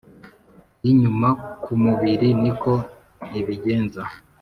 y’inyuma ku mubiri niko ibigenza